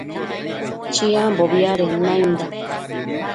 Chiambobi adenda nainda